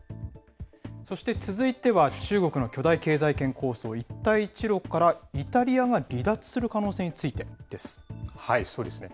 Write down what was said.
そして続いては、中国の巨大経済圏構想、一帯一路から、イタリアが離脱する可能性そうですね。